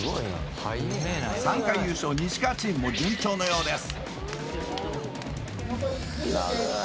３回優勝西川チームも順調のようです